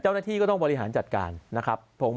เจ้าหน้าที่ก็ต้องบริหารจัดการนะครับ